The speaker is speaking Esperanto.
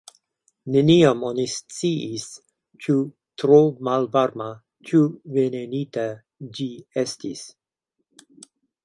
Neniam oni sciis, ĉu tro malvarma, ĉu venenita ĝi estis.